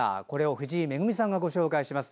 藤井恵さんがご紹介します。